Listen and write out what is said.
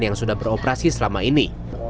yang sudah beroperasi selama ini